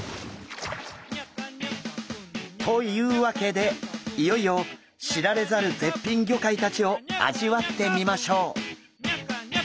というわけでいよいよ知られざる絶品魚介たちを味わってみましょう。